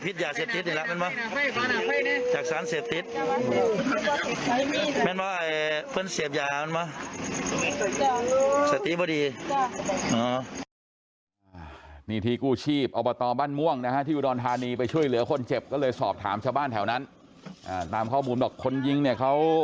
เอารถเคียงไปข้างหน้าอีก